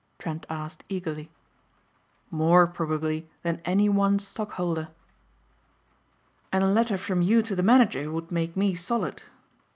Trent asked eagerly. "More probably than any one stockholder." "And a letter from you to the manager would make me solid."